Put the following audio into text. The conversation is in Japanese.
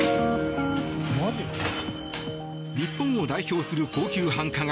日本を代表する高級繁華街